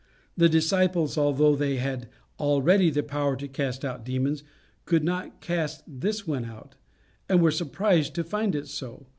The disciples, although they had already the power to cast out demons, could not cast this one out, and were surprised to find it so.